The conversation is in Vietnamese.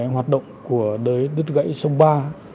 hoạt động của đới đứt gãy sông ba